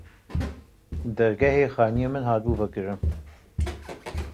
Dergehê xanîyê min hatibû vekirin